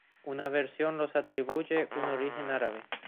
Una versión los atribuye un origen árabe.